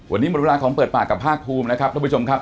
วันนี้หมดเวลาของเปิดปากกับภาคภูมินะครับทุกผู้ชมครับ